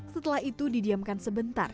setelah itu didiamkan sebentar